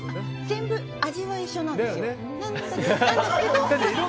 全部、味は一緒なんですよ。